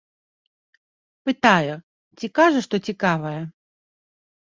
Пытаю, ці кажа, што цікавае?